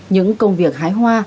những công việc hái hoa